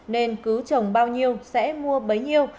nên cứ trồng bao nhiêu sẽ mua bấy nhiêu